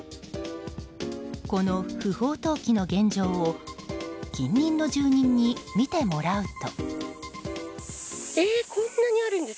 この不法投棄の現状を近隣の住人に見てもらうと。